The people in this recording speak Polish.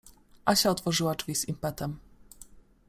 Asia otworzyła drzwi z impetem.